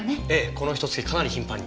このひと月かなり頻繁に。